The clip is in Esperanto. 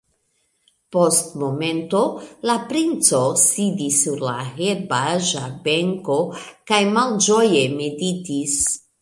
Post momento la princo sidis sur la herbaĵa benko kaj malĝoje meditis.